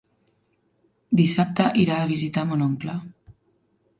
Dissabte irà a visitar mon oncle.